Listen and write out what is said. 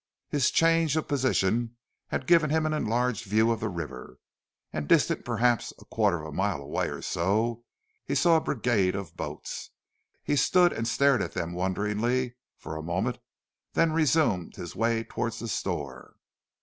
His change of position had given him an enlarged view of the river, and distant perhaps a quarter of a mile or so away he saw a brigade of boats. He stood and stared at them wonderingly for a moment, then resumed his way towards the store.